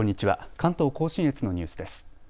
関東甲信越のニュースです。